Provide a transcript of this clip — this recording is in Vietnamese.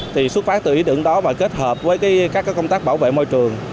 thì xuất phát từ ý tưởng đó và kết hợp với các công tác bảo vệ môi trường